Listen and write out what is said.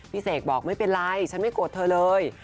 เสกบอกไม่เป็นไรฉันไม่โกรธเธอเลย